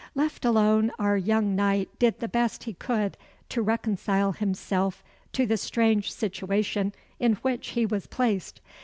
Left alone, our young knight did the best he could to reconcile himself to the strange situation in which he was placed.